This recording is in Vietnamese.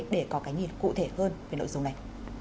để có cái nhìn cụ thể hơn về nội dung này